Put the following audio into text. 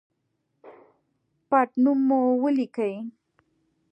پټنوم مو ولیکئ